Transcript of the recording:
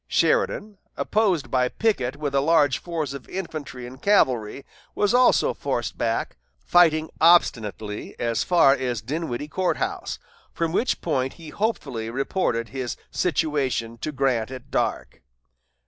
Sheridan, opposed by Pickett with a large force of infantry and cavalry, was also forced back, fighting obstinately, as far as Dinwiddie Court House, from which point he hopefully reported his situation to Grant at dark.